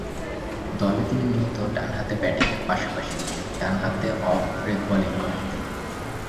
দলে তিনি মূলতঃ ডানহাতে ব্যাটিংয়ের পাশাপাশি ডানহাতে অফ ব্রেক বোলিং করেন তিনি।